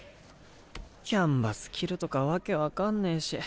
キャンバス切るとか訳分かんねぇし。